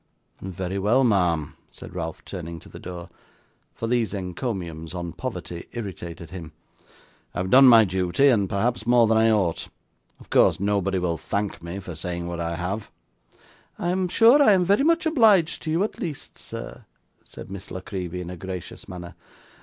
'Very well, ma'am,' said Ralph, turning to the door, for these encomiums on poverty irritated him; 'I have done my duty, and perhaps more than I ought: of course nobody will thank me for saying what I have.' 'I am sure I am very much obliged to you at least, sir,' said Miss La Creevy in a gracious manner.